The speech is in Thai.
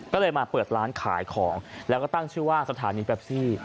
ก็เลยมาเปิดร้านขายของแล้วก็ตั้งชื่อว่าสถานีแปปซี่